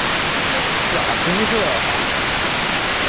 傻逼是吧？